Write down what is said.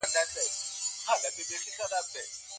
ولي محنتي ځوان د با استعداده کس په پرتله برخلیک بدلوي؟